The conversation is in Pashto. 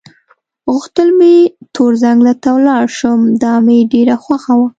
غوښتل مې تور ځنګله ته ولاړ شم، دا مې ډېره خوښه وه.